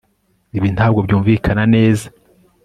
ibi ntabwo byumvikana neza